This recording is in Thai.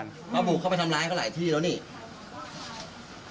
เขาบุกเข้าไปทำร้ายเขาหลายที่แล้วนี่